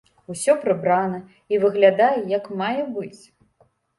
Усё прыбрана і выглядае як мае быць.